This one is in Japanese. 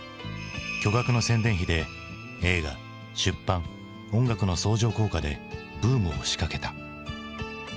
巨額の宣伝費で映画出版音楽の相乗効果でブームを仕掛けた。